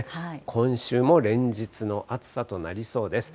今週も連日の暑さとなりそうです。